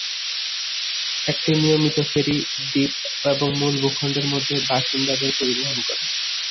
একটি নিয়মিত ফেরি দ্বীপ এবং মূল ভূখণ্ডের মধ্যে বাসিন্দাদের পরিবহণ করে।